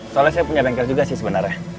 soalnya saya punya banker juga sih sebenarnya